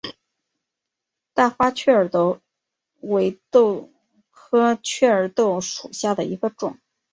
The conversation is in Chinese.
大花雀儿豆为豆科雀儿豆属下的一个种。